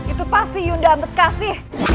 itu pasti ibu nanda ambetrasi